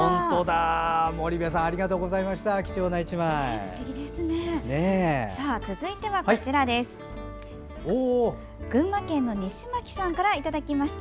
森部さんありがとうございました。